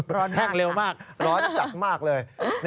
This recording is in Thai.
ร้อนมากแห้งเร็วมากร้อนจัดมากเลย